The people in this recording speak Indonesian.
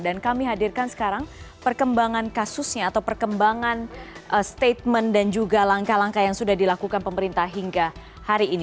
dan kami hadirkan sekarang perkembangan kasusnya atau perkembangan statement dan juga langkah langkah yang sudah dilakukan pemerintah hingga hari ini